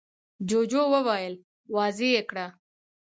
جوجو وويل: واضح يې کړه!